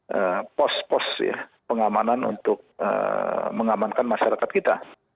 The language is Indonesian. ada pos pos ya pengamanan untuk mengamankan masyarakat kita